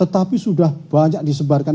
tapi sudah banyak disebarkan